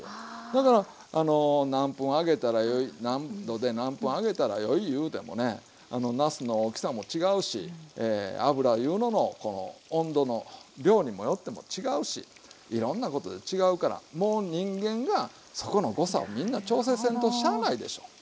だから何分揚げたらよい何度で何分揚げたらよい言うてもねなすの大きさも違うし油いうのも量によっても違うしいろんなことで違うからもう人間がそこの誤差をみんな調整せんとしゃあないでしょ。